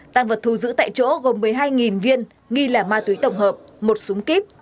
tăng vật thu giữ tại chỗ gồm một mươi hai viên nghi là ma túy tổng hợp một súng kíp